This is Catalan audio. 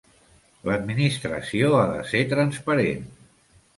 L'Administració ha de ser transparent.